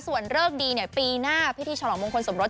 ส่วนเลิกดีเนี่ยปีหน้าพิธีฉลองมงคลสมรส